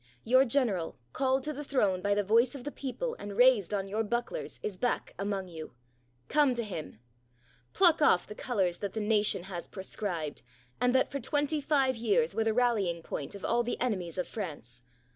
Your general, called to the throne by the voice of the people and raised on your bucklers, is back among you; come to him ! Pluck off the colors that the nation has proscribed, and that, for twenty five years, were the rallying point of all the enemies of France.